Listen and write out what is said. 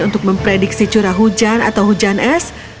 untuk memprediksi curah hujan atau hujan es